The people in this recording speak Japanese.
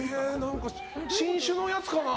新種のやつかな？